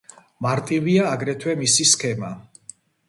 მარტივია აგრეთვე მისი სქემა.